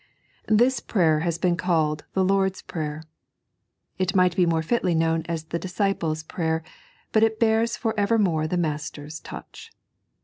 This prayer has been caiied the Lor^B Prefer. It might be more fitly known as the Disciples' Prayer, but it bears for evermore the Master's touch.